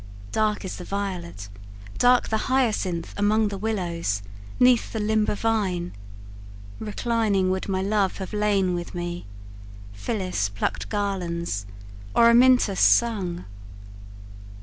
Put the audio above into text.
Dark is the violet, dark the hyacinth Among the willows, 'neath the limber vine, Reclining would my love have lain with me, Phyllis plucked garlands, or Amyntas sung.